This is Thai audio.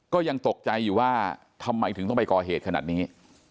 ก็ยังตกใจอยู่ว่าทำไมถึงต้องไปก่อเหตุขนาดนี้